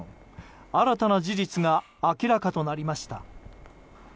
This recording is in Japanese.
新たな事実が明らかとなりました。